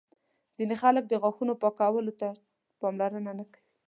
ځینې خلک د غاښونو پاکولو ته پاملرنه نه کوي.